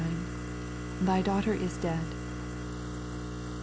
— ^Thy daughter is dead.